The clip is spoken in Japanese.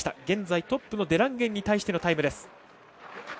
現在、トップのデランゲンに対してのタイムです。